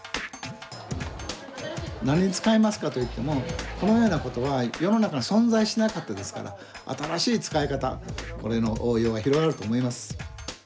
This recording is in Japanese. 何に使いますかといってもこのようなことは世の中に存在しなかったですから新しい使い方これの応用が広がると思います。